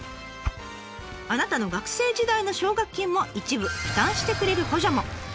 あなたの学生時代の奨学金も一部負担してくれる補助も。